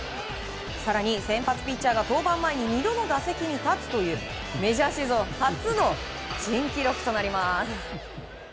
更に先発ピッチャーが登板前に２度の打席に立つというメジャー史上初の珍記録となります。